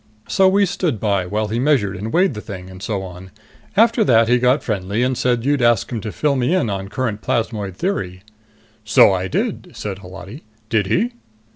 So we stood by while he measured and weighed the thing, and so on. After that he got friendly and said you'd asked him to fill me in on current plasmoid theory." "So I did," said Holati. "Did he?"